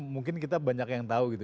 mungkin kita banyak yang tahu gitu